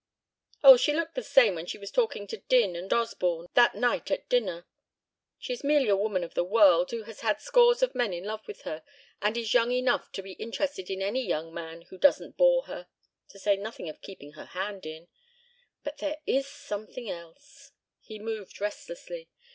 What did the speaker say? "Oh, she looked the same when she was talking to Din and Osborne that night at dinner. She is merely a woman of the world who has had scores of men in love with her and is young enough to be interested in any young man who doesn't bore her. To say nothing of keeping her hand in. ... But there is something else." He moved restlessly.